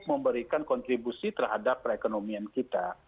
memberikan kontribusi terhadap perekonomian kita